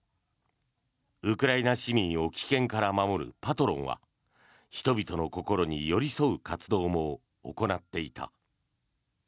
ウクライナ市民を危険から守るパトロンは人々の心に寄り添う活動も行っていた。